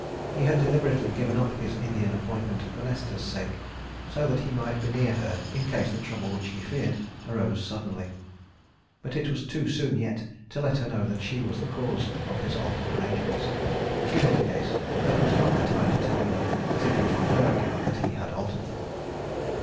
He had deliberately given up his Indian appointment for Nesta's sake, so that he might be near her in case the trouble which he feared arose suddenly. But it was too soon yet to let her know that she was the cause of his altered arrangements in any case, that was not the time to tell her that it was on her account that he had altered them.